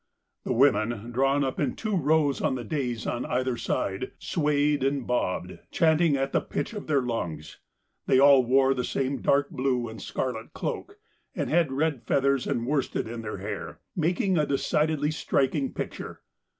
The women, drawn up in two rows on the dais on either side, swayed and bobbed, chanting at the pitch of their lungs. They all wore the same dark blue and scarlet cloak, and had red feathers and worsted in their hair, making a decidedly striking picture.